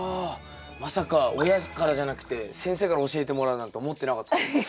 まさか親父からじゃなくて先生から教えてもらうなんて思ってなかったです。